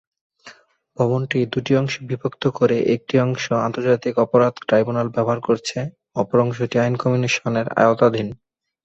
ভবনটি দুটি অংশে বিভক্ত করে একটি অংশ আন্তর্জাতিক অপরাধ ট্রাইব্যুনাল ব্যবহার করছে এবং অপর অংশটি আইন কমিশনের আওতাধীন।